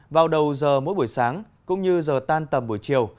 vào đầu giờ mỗi buổi sáng cũng như giờ tan tầm buổi chiều